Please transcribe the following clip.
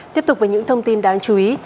tiếp tục với những thông tin đáng chú ý